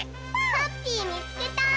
ハッピーみつけた！